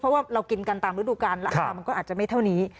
เพราะว่าเรากินกันตามฤดูการราคามันก็อาจจะไม่เท่านี้